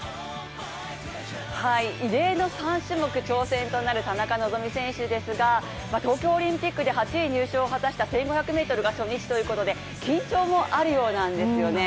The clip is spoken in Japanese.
異例の３種目挑戦となる田中希実選手ですが東京オリンピックで８位入賞を果たした１５００ｍが初日ということで緊張もあるようなんですよね。